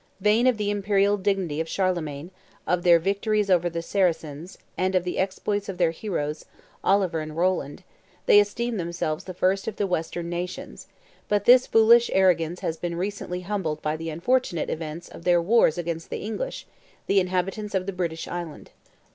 Vain of the Imperial dignity of Charlemagne, of their victories over the Saracens, and of the exploits of their heroes, Oliver and Rowland, 25 they esteem themselves the first of the western nations; but this foolish arrogance has been recently humbled by the unfortunate events of their wars against the English, the inhabitants of the British island.